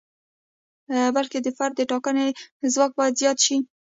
بلکې د فرد د ټاکنې ځواک باید زیات شي.